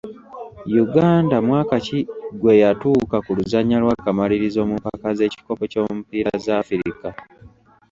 Uganda mwaka ki gwe yatuuka ku luzannya lw’akamalirizo mu mpaka z'ekikopo ky'omupiira za Afirika?